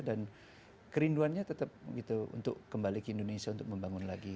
dan kerinduannya tetap gitu untuk kembali ke indonesia untuk membangun lagi